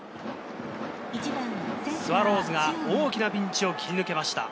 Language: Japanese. スワローズが大きなピンチを切り抜けました。